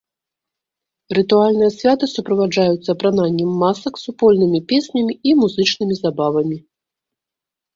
Рытуальныя святы суправаджаюцца апрананнем масак, супольнымі песнямі і музычнымі забавамі.